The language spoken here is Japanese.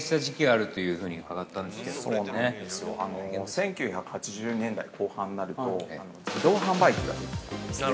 ◆１９８０年代後半になると、自動販売機が出てきたんですね。